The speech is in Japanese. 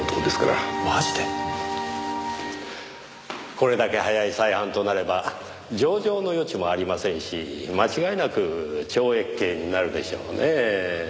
これだけ早い再犯となれば情状の余地もありませんし間違いなく懲役刑になるでしょうねぇ。